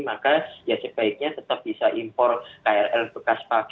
maka sebaiknya tetap bisa impor krl bekas paket